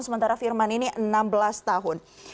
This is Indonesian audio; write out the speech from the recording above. sementara firman ini enam belas tahun